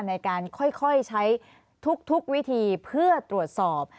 ในการค่อยใช้ทุกวิธีเพื่อตรวจสอบ